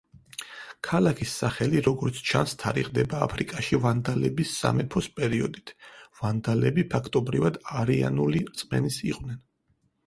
ქალაქის სახელი, როგორც ჩანს, თარიღდება აფრიკაში ვანდალების სამეფოს პერიოდით: ვანდალები, ფაქტობრივად არიანული რწმენის იყვნენ.